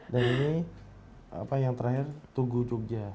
dan ini apa yang terakhir tugu jogja